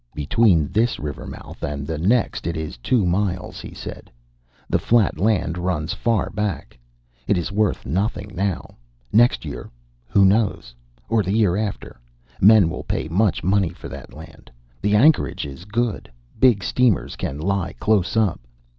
"Between this river mouth and the next it is two miles," he said. "The flat land runs far back. It is worth nothing now. Next year who knows? or the year after, men will pay much money for that land. The anchorage is good. Big steamers can lie close up.